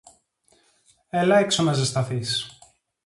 Έλα έξω να ζεσταθείς